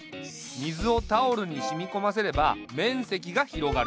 水をタオルに染み込ませれば面積が広がる。